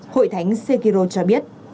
hội thánh sekiro cho biết